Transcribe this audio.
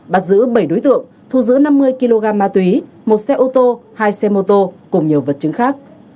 bắt giữ bảy đối tượng thu giữ năm mươi kg ma túy một xe ô tô hai xe mô tô cùng nhiều vật chứng khác